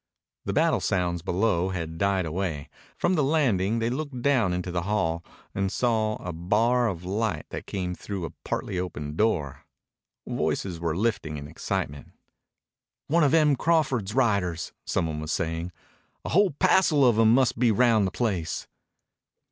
The battle sounds below had died away. From the landing they looked down into the hall and saw a bar of light that came through a partly open door. Voices were lifted in excitement. "One of Em Crawford's riders," some one was saying. "A whole passel of 'em must be round the place."